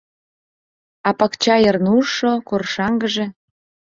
А пакча йыр нужшо, коршаҥгыже...